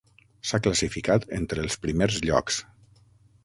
S'ha classificat entre els primers llocs.